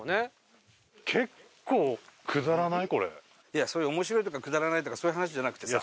いやそういう「面白い」とか「くだらない」とかそういう話じゃなくてさ。